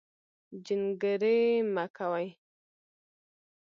جنګرې مۀ کوئ